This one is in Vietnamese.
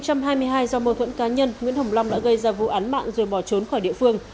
do mâu thuẫn cá nhân nguyễn hồng long đã gây ra vụ án mạng rồi bỏ trốn khỏi địa phương